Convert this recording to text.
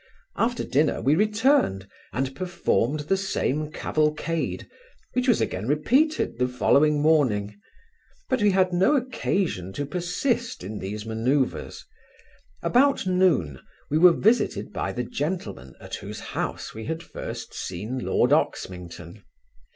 After dinner we returned, and performed the same cavalcade, which was again repeated the morning following; but we had no occasion to persist in these manoeuvres. About noon, we were visited by the gentleman, at whose house we had first seen lord Oxmington.